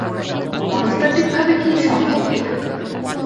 মনস্তাত্ত্বিকভাবে কী সম্ভব কিনা?